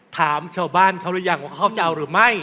ถามชาวบ้านเขาหรือยังว่าเขาจะเอาหรือไม่